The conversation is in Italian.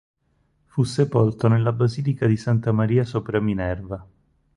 Fu sepolto nella basilica di Santa Maria sopra Minerva.